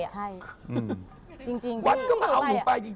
ใช่จริงวัดก็มาเอาหนูไปจริง